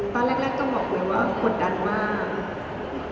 ตอนแรกก็บอกว่าควรดันมาก